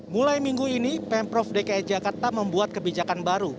mulai minggu ini pemprov dki jakarta membuat kebijakan baru